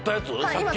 さっき？